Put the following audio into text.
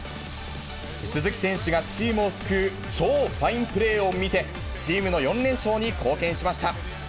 鈴木選手がチームを救う超ファインプレーを見せ、チームの４連勝に貢献しました。